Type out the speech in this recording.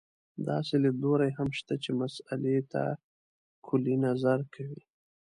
داسې لیدلوري هم شته چې مسألې ته کُلي نظر کوي.